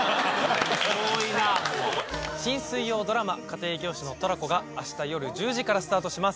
新水曜ドラマ『家庭教師のトラコ』が明日夜１０時からスタートします。